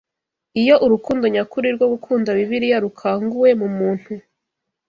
Iyo urukundo nyakuri rwo gukunda Bibiliya rukanguwe mu muntu